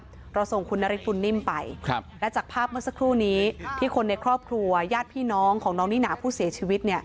เราส่งคุณนฤทธบุญนิ่มไปและจากภาพเมื่อสักครู่นี้ที่คนในครอบครัวญาติพี่น้องของน้องนิน่าผู้เสียชีวิต